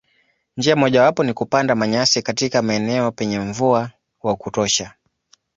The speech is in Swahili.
Njia mojawapo ni kupanda manyasi katika maeneo penye mvua wa kutosha.